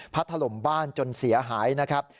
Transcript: ถล่มบ้านจนเสียหายนะครับ